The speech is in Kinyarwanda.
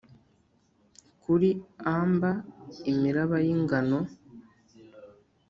kuri amber imiraba y'ingano,